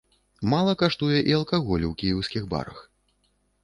Мала каштуе і алкаголь у кіеўскіх барах.